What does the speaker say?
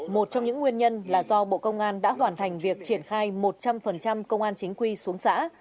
một trong những nguyên nhân là do bộ công an đã hoàn thành việc triển khai một trăm linh công an chính quy xuống xã